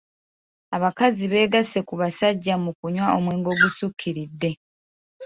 Abakazi beegasse ku basajja mu kunywa omwenge ogusukkiridde.